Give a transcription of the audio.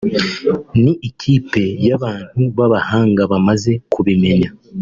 ni ikipe y’abantu b’abahanga bamaze kubimenya